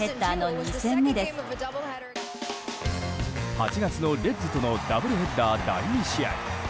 ８月のレッズとのダブルヘッダー第２試合。